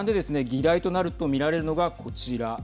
議題となるとみられるのがこちら。